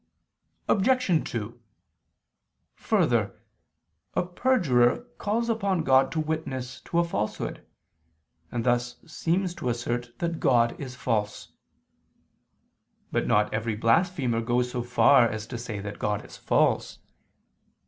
Obj. 2: Further, a perjurer calls upon God to witness to a falsehood, and thus seems to assert that God is false. But not every blasphemer goes so far as to say that God is false.